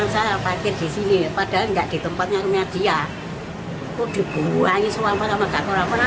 sudah ada di tempatnya dia